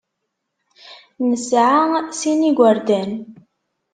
Nesɛa sin n yigerdan.